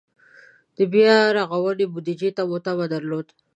د بیا رغونې بودجې ته مو تمه درلوده.